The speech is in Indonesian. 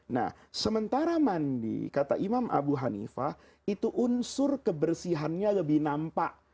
nah sementara mandi kata imam abu hanifah itu unsur kebersihannya lebih nampak